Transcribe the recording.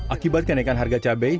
akibat kenaikan harga cabai